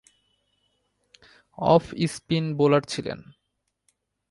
Of spin bowler ছিলেন।